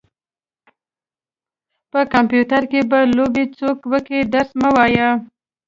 په کمپيوټر کې به لوبې څوک وکي درس مه وايه.